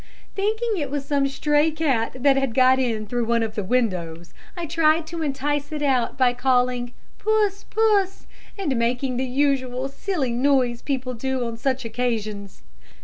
Thinking it was some stray cat that had got in through one of the windows, I tried to entice it out, by calling "Puss, puss," and making the usual silly noise people do on such occasions.